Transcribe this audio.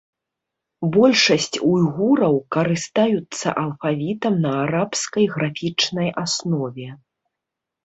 Большасць уйгураў карыстаюцца алфавітам на арабскай графічнай аснове.